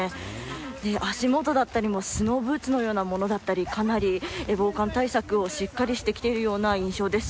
足元だったりスノーブーツのようなものだったりかなり防寒対策をしっかりしてきているような印象です。